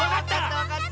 わかった！